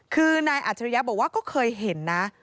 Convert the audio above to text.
คือนายอัจฉริยะบอกว่าก็เคยเห็นนะ